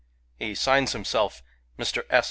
He signs himself "Mr. S.